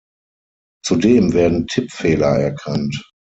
Zudem werden Tippfehler erkannt.